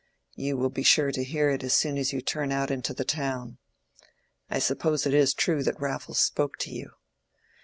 "You will be sure to hear it as soon as you turn out into the town. I suppose it is true that Raffles spoke to you."